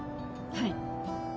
はい。